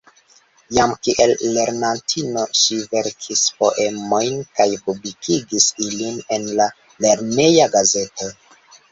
Jam kiel lernantino ŝi verkis poemojn kaj publikigis ilin en la lerneja gazeto.